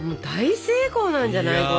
大成功なんじゃない？